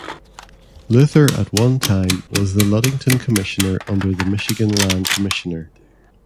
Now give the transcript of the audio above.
Luther at one time was the Ludington commissioner under the Michigan land commissioner.